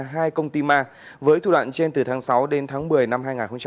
hai công ty ma với thủ đoạn trên từ tháng sáu đến tháng một mươi năm hai nghìn hai mươi